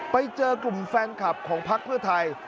ไปเจอกลุ่มแฟนคลับของพักเพื่อไทย